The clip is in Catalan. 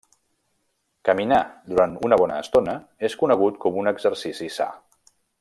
Caminar, durant una bona estona, és conegut com un exercici sa.